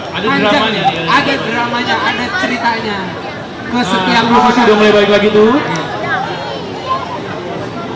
hai ada dramanya ada dramanya ada ceritanya kesetiaan bahwa sudah baik lagi tuh